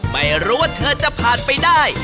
ไม่รู้ว่าเธอจะผ่านไปได้